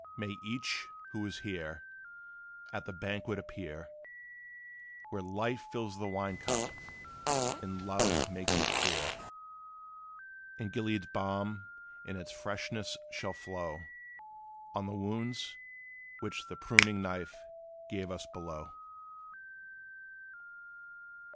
May each, who is here, At the banquet appear, Where Life fills the wine cup, and Love makes it clear; And Gilead's balm in its freshness shall flow On the wounds, which the pruning knife gave us below!